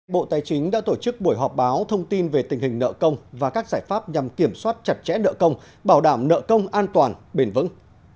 bộ tài chính đã tổ chức buổi họp báo thông tin về tình hình nợ công và các giải pháp nhằm kiểm soát chặt chẽ nợ công bảo đảm nợ công an toàn bền vững